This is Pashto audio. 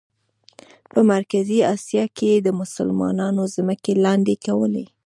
په مرکزي آسیا کې یې د مسلمانانو ځمکې لاندې کولې.